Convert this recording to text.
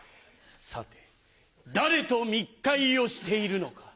さて誰と密会をしているのか。